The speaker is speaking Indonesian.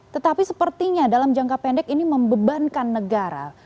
tetapi sepertinya dalam jangka pendek ini membebankan negara